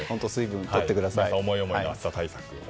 皆さん思い思いの暑さ対策を。